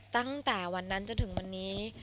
ตั้งแต่วันนั้นจนถึงวันนี้